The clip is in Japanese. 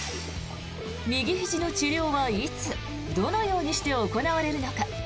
右ひじの治療はいつ、どのようにして行われるのか。